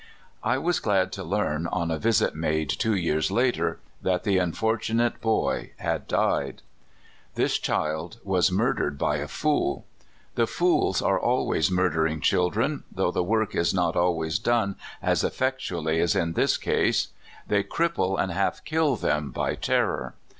I was glad to learn, on a visit made two years later, that the unfortunate boy had died. This child was murdered by a fool. The fools are always murdering children, though the work is not always done as effectually as in this case. They cripple and half kill them by terror.